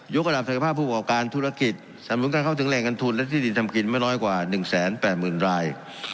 ยกระดับศักดิ์ภาพภูมิกับการธุรกิจสำรุนการเข้าถึงแรงกันทุนและที่ดินทำกินไม่น้อยกว่า๑แสน๘หมื่นราย